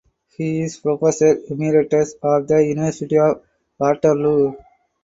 He is professor emeritus of the University of Waterloo.